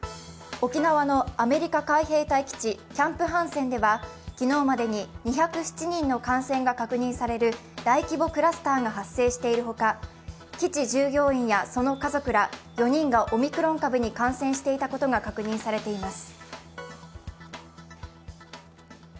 沖縄のアメリカ海兵隊基地、キャンプ・ハンセンでは昨日までに２０７人の感染が確認される大規模クラスターが発生しているほか、基地従業員やその家族ら４人がオミクロン株に感染していたことが確認されています。